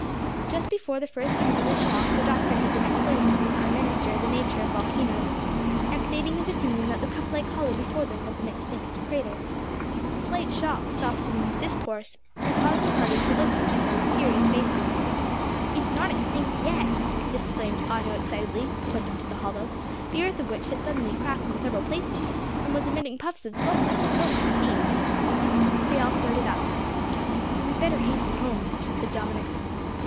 Just before the first tremulous shock the doctor had been explaining to the prime minister the nature of volcanoes, and stating his opinion that the cup like hollow before them was an extinct crater. The slight shock stopped him in his discourse, and caused the party to look at each other with serious faces. "It's not extinct yet," exclaimed Otto excitedly, pointing to the hollow, the earth of which had suddenly cracked in several places and was emitting puffs of sulphurous smoke and steam. They all started up. "We'd better hasten home," said Dominick.